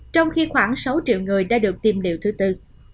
trong khi khoảng sáu triệu người đã được tiêm liệu thứ tư